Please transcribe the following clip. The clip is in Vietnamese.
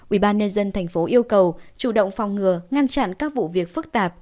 ubnd tp yêu cầu chủ động phòng ngừa ngăn chặn các vụ việc phức tạp